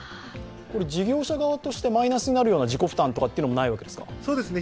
事業者側としてマイナスになるような自己負担もないわけですか。